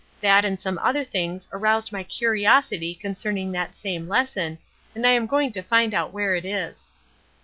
That and some other things aroused my curiosity concerning that same lesson, and I am going to find out where it is.